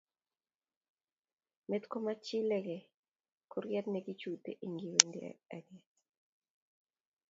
Meet komakichilile, kurgeet ne kichutee ing'wendeet age.